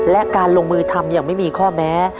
และการลงมือทำอย่างไม่มีข้อแม้